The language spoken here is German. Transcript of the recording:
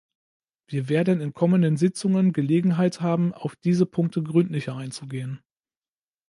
Wir werden in kommenden Sitzungen Gelegenheit haben, auf diese Punkte gründlicher einzugehen.